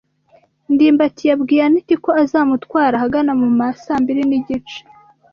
ndimbati yabwiye anet ko azamutwara ahagana mu ma saa mbiri n'igice.